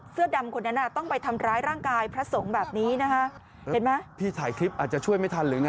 เสื้อดำคนนั้นอ่ะต้องไปทำร้ายร่างกายพระสงฆ์แบบนี้นะว่า